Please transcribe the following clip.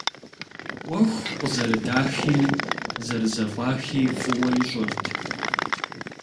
Ӏуэху къызэрыдахи зэрызэфӀахи фӀыуэ ищӀэрт.